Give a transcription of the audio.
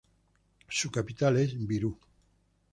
Su capital es Virú.